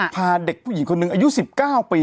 พาเด็กผู้หญิงคนหนึ่งอายุ๑๙ปี